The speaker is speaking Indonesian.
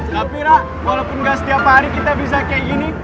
tapi rak walaupun gak setiap hari kita bisa kayak gini